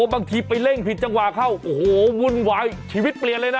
บางทีไปเร่งผิดจังหวะเข้าโอ้โหวุ่นวายชีวิตเปลี่ยนเลยนะ